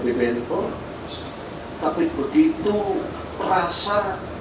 bpnu tapi begitu rasa